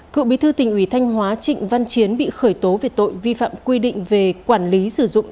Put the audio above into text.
cựu bí thư tỉnh ủy thanh hóa trịnh văn chiến bị khởi tố về tội vi phạm quy định về quản lý sử dụng